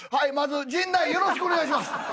まず陣内よろしくお願いします。